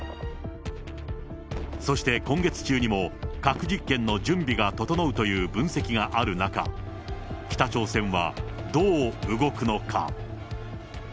そして今月中にも核実験の準備が整うという分析がある中、北朝鮮はどう動くのか。